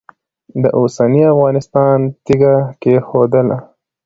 د اوسني افغانستان تیږه کښېښودله.